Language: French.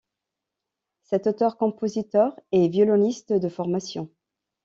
Cet auteur-compositeur est violoniste de formation.